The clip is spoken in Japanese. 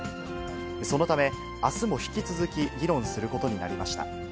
そのため、あすも引き続き議論することになりました。